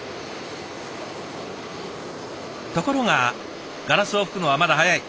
ところが「ガラスを吹くのはまだ早い。